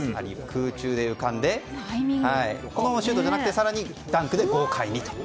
空中で浮かんでこのままシュートではなくて更に、ダンクで豪快にと。